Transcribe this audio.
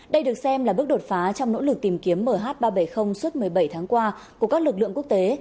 đây được xem là bước đột phá trong nỗ lực tìm kiếm mh ba trăm bảy mươi suốt một mươi bảy tháng qua của các lực lượng quốc tế